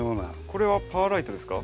これはパーライトですか？